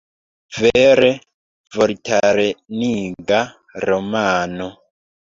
Vere vortareniga romano!